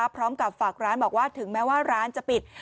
พร้อมกับฝากร้านบอกว่าถึงแม้ว่าร้านจะปิด